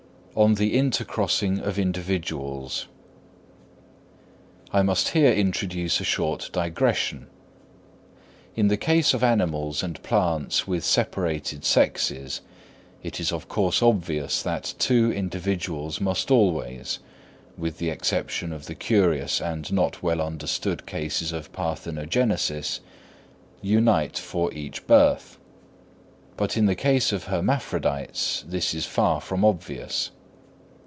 On the Intercrossing of Individuals. I must here introduce a short digression. In the case of animals and plants with separated sexes, it is of course obvious that two individuals must always (with the exception of the curious and not well understood cases of parthenogenesis) unite for each birth; but in the case of hermaphrodites this is far from obvious.